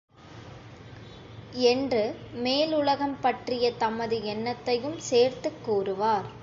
என்று மேலுலகம் பற்றிய தமது எண்ணத்யுைம் சேர்த்துக் கூறுவார்.